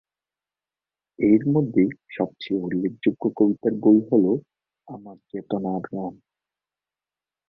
এর মধ্যে সব চেয়ে উল্লেখযোগ্য কবিতার বই হল "আমার চেতনার রঙ"।